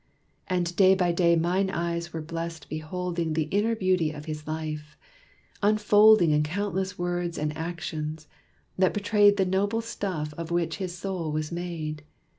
And day by day mine eyes were blest beholding The inner beauty of his life, unfolding In countless words and actions, that portrayed The noble stuff of which his soul was made.